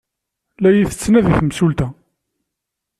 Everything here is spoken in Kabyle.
La yi-tettnadi temsulta.